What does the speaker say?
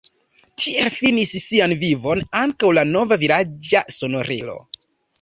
Tiel finis sian vivon ankaŭ la nova vilaĝa sonorilo.